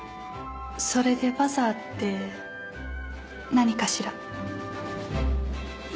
それでバザーって何かしら？